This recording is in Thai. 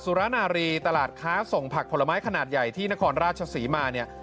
สุรนารีตลาดค้าส่งผักผลไม้ขนาดใหญ่ที่นครราชศรีมาเนี่ย